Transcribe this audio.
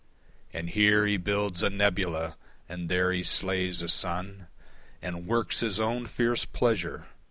And here he builds a nebula, and there he slays a sun And works his own fierce pleasure.